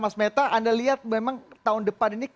mas meta anda lihat memang tahun depan ini